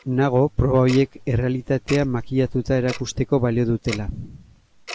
Nago proba horiek errealitatea makillatuta erakusteko balio dutela.